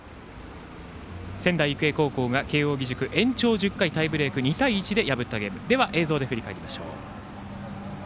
仙台育英高校が慶応義塾延長１０回タイブレーク２対１で破ったゲームを映像で振り返りましょう。